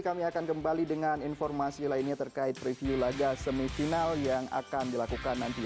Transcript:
kami akan kembali dengan informasi lainnya terkait review laga semifinal yang akan dilakukan nanti